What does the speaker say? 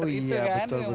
oh iya betul betul